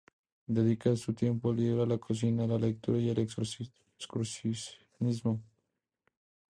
Dedica su tiempo libre a la cocina, la lectura y el excursionismo.